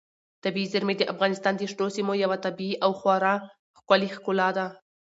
طبیعي زیرمې د افغانستان د شنو سیمو یوه طبیعي او خورا ښکلې ښکلا ده.